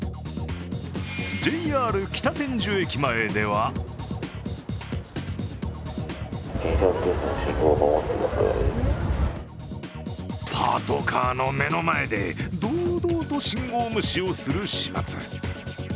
ＪＲ北千住駅前ではパトカーの目の前で堂々と信号無視をするしまつ。